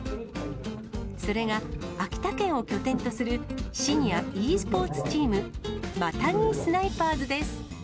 それが、秋田県を拠点とするシニアｅスポーツチーム、マタギスナイパーズです。